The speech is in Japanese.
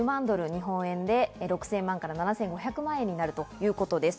日本円で６０００万円から７５００万円になるということです。